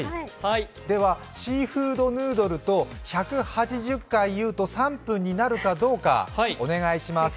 では、シーフードヌードルと１８０回言うと３分になるかどうか、お願いします。